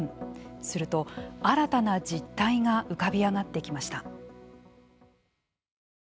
すると、新たな実態が浮かび上がってきました。